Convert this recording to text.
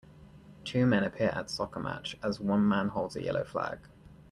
Two men appear at soccer match as one man holds a yellow flag.